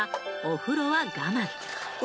お風呂我慢！？